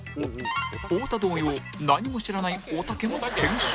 太田同様何も知らないおたけも検証